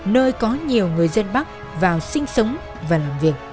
nơi có nhiều người dân bắc vào sinh sống và làm việc